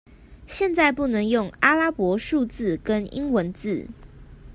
現在不能用阿拉伯數字跟英文字